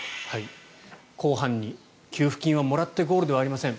後半に給付金はもらってゴールではありません。